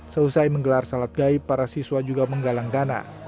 selesai menggelar salat gaib para siswa juga menggalang dana